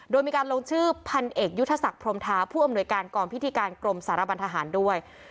โดยมีการลงชื่อพันเอกยุทธศักดิ์พรมทาผู้อำนวยการกองพิธีการกรมสารบันทหารด้วย